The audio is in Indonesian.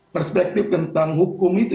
perspektif tentang hukum itu